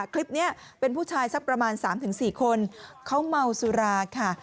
คลิปนี้เป็นผู้ชายสักประมาณ๓๔คนเขาเมาสุราค่ะ